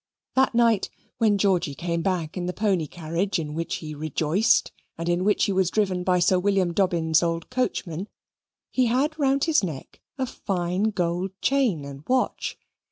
That night, when Georgy came back in the pony carriage in which he rejoiced, and in which he was driven by Sir Wm. Dobbin's old coachman, he had round his neck a fine gold chain and watch.